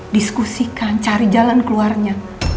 diskusikan cari jalan keluarnya